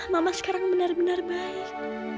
mama sekarang benar benar baik